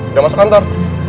udah masuk kantor